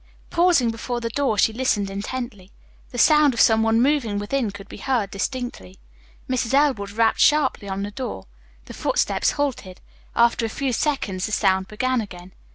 Pausing before the door she listened intently. The sound of some one moving within could be heard distinctly. Mrs. Elwood rapped sharply on the door. The footsteps halted; after a few seconds the sound began again.